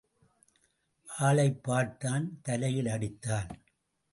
ஆளைப் பார்த்தான் தலையில் அடித்தான்.